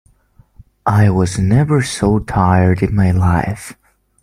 I was never so tired in my life.